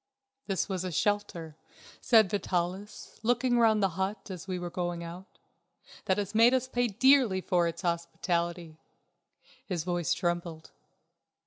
"This was a shelter," said Vitalis, looking round the hut as we were going out, "that has made us pay dearly for its hospitality." His voice trembled.